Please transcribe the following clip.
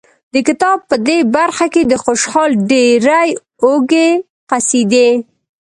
د کتاب په دې برخه کې د خوشحال ډېرې اوږې قصیدې